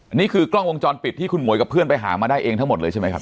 อันนี้คือกล้องวงจรปิดที่คุณหวยกับเพื่อนไปหามาได้เองทั้งหมดเลยใช่ไหมครับ